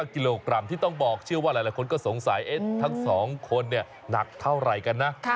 กิโลกรัมที่ต้องบอกเชื่อว่าหลายคนก็สงสัยทั้ง๒คนหนักเท่าไหร่กันนะ